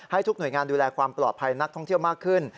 ทุกหน่วยงานดูแลความปลอดภัยนักท่องเที่ยวมากขึ้น